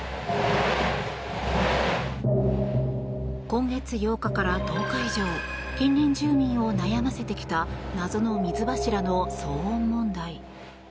今月８日から１０日以上近隣住民を悩ませてきた謎の水柱の騒音問題。